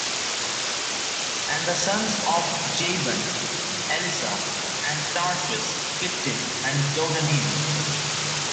And the sons of Javan: Elishah, and Tarshish, Kittim, and Dodanim.